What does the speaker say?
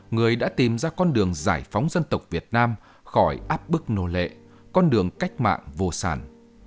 người đã tìm ra con đường giải phóng dân tộc việt nam khỏi áp bức nô lệ con đường cách mạng vô sản